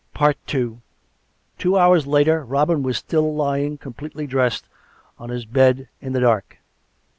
II Two hours later Robin was still lying completely dressed on his bed in the dark.